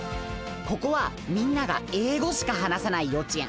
ここはみんながえいごしかはなさないようちえん。